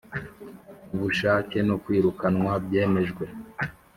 ubushake no kwirukanwa byemejwe